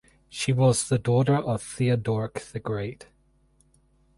She was the daughter of Theodoric the Great.